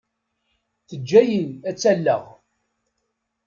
Teǧǧa-iyi ad tt-alleɣ.